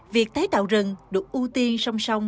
việc tái tạo rừng được ưu tiên song song